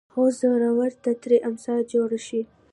هو زورور ته ترې امسا جوړه شي